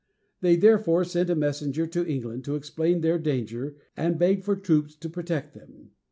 They therefore sent a messenger to England to explain their danger and beg for troops to protect them.